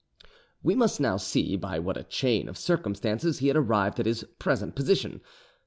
We must now see by what a chain of circumstances he had arrived at his present position.